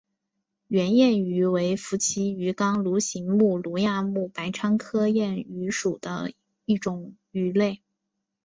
圆燕鱼为辐鳍鱼纲鲈形目鲈亚目白鲳科燕鱼属的一种鱼类。